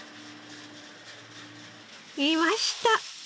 いました！